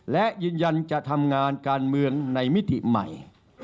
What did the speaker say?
และยืนยันจะทำงานการเมืองในมิติใหม่